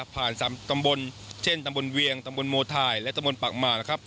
ผ่าน๓ตำบลเช่นตำบลเวียงตำบลโมไทและตำบลปากมา